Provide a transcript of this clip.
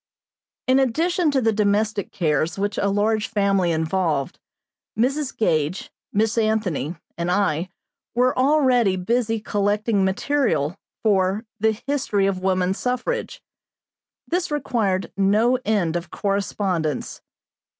In addition to the domestic cares which a large family involved, Mrs. Gage, Miss Anthony, and I were already busy collecting material for "The History of Woman Suffrage." This required no end of correspondence.